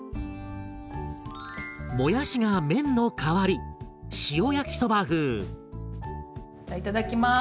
もやしが麺の代わりいただきます！